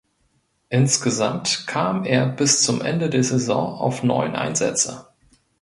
Insgesamt kam er bis zum Ende der Saison auf neun Einsätze.